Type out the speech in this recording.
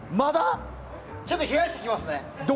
ちょっと冷やしてきますね。